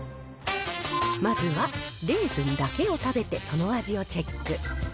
まずはレーズンだけを食べて、その味をチェック。